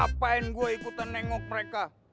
mapain mamiku ikutan ee nengok mereka